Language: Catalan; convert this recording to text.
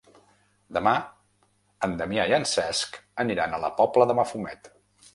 Demà en Damià i en Cesc aniran a la Pobla de Mafumet.